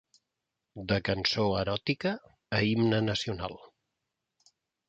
De cançó eròtica a himne nacional.